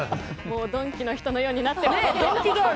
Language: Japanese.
ドンキの人のようになってます。